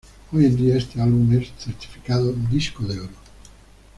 Hoy en día, este álbum es certificado Disco de Oro.